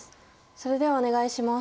それではお願いします。